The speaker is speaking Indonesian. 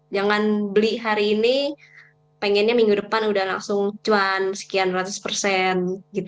jangan beli hari ini pengennya minggu depan udah langsung cuan sekian ratus persen